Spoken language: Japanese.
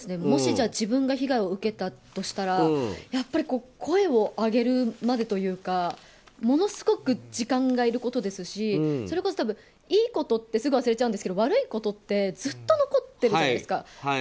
もし自分が被害を受けたとしたらやっぱり声を上げるまでというかものすごく時間がいることですしそれこそ、いいことってすぐ忘れちゃうんですけど悪いことってずっと残っているじゃないですか。